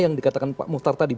yang dikatakan pak muhtar tadi